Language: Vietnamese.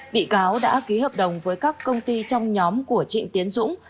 bị cáo đã ký hợp đồng với các công ty trong nhóm của trịnh tiến dũng